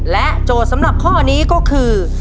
โจทย์สำหรับข้อนี้ก็คือ